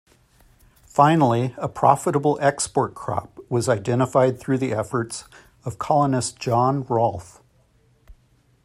Finally, a profitable export crop was identified through the efforts of colonist John Rolfe.